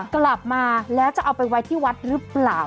กลับมาแล้วจะเอาไปไว้ที่วัดหรือเปล่า